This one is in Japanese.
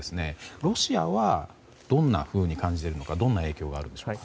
ロシアはどんなふうに感じているのかどんな影響があるでしょうか。